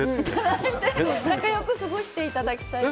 仲良く過ごしていただきたい。